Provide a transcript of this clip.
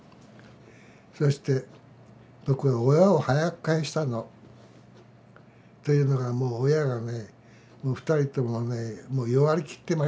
そして僕は親を早く帰したの。というのがもう親がね２人ともね弱りきってましたから。